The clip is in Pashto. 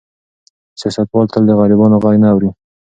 سیاستوال تل د غریبانو غږ نه اوري.